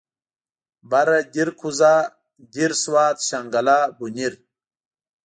بره دير کوزه دير سوات شانګله بونير